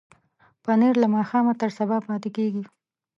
پنېر له ماښامه تر سبا پاتې کېږي.